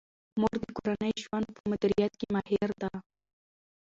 مور د کورني ژوند په مدیریت کې ماهر ده.